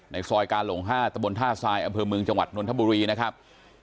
ซอยกาหลง๕ตะบนท่าทรายอำเภอเมืองจังหวัดนทบุรีนะครับ